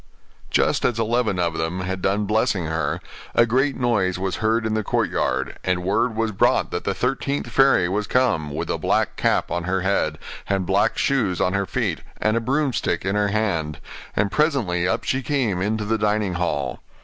Just as eleven of them had done blessing her, a great noise was heard in the courtyard, and word was brought that the thirteenth fairy was come, with a black cap on her head, and black shoes on her feet, and a broomstick in her hand: and presently up she came into the dining hall.